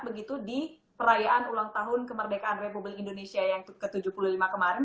begitu di perayaan ulang tahun kemerdekaan republik indonesia yang ke tujuh puluh lima kemarin